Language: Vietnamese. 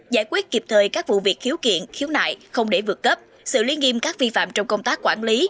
giải quyết kịp thời các vụ việc khiếu kiện khiếu nại không để vượt cấp sự liên nghiêm các vi phạm trong công tác quản lý